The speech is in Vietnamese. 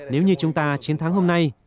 nếu như chúng ta chiến thắng hôm nay